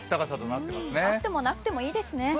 あってもなくてもいいですね。